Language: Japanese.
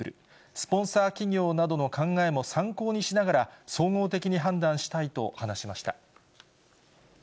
スポンサー企業などの考えも参考にしながら、総合的に判断したいと話しました。